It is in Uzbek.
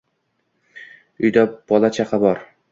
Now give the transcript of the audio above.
Uyda bola-chaqa bor…»